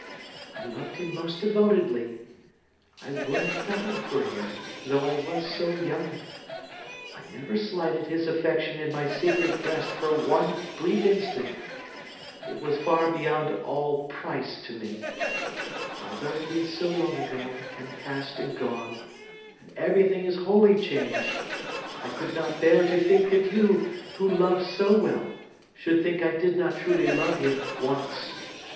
I loved him most devotedly. I would have died for him, though I was so young. I never slighted his affection in my secret breast for one brief instant. It was far beyond all price to me. Although it is so long ago, and past, and gone, and everything is wholly changed, I could not bear to think that you, who love so well, should think I did not truly love him once.